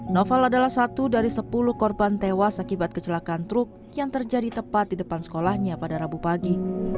noval adalah satu dari sepuluh korban tewas akibat kecelakaan truk yang terjadi tepat di depan sekolahnya pada rabu pagi